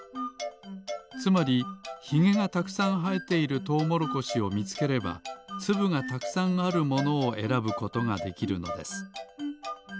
つまりひげがたくさんはえているトウモロコシをみつければつぶがたくさんあるものをえらぶことができるのです。